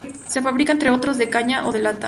Se fabrica, entre otros, de caña o de lata.